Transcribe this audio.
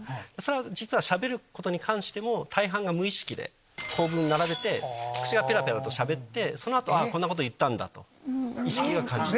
実はしゃべることに関しても大半が無意識で構文並べて口がペラペラとしゃべってその後こんなこと言ったんだと意識が感じてる。